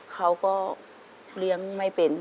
เขาก็เลี้ยงไม่เป็น